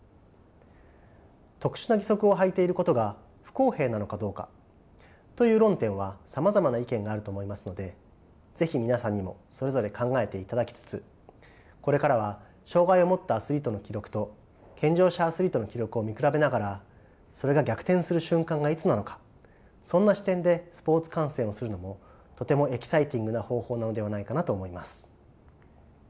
特殊な義足をはいていることが不公平なのかどうかという論点はさまざまな意見があると思いますので是非皆さんにもそれぞれ考えていただきつつこれからは障害を持ったアスリートの記録と健常者アスリートの記録を見比べながらそれが逆転する瞬間がいつなのかそんな視点でスポーツ観戦をするのもとてもエキサイティングな方法なのではないかなと思います。